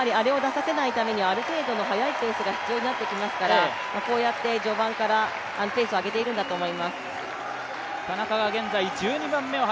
あれを出させないためにはある程度の速いペースが必要になりますからこうやって、序盤からペースを上げているんだと思います。